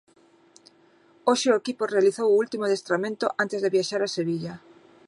Hoxe o equipo realizou o último adestramento antes de viaxar a Sevilla.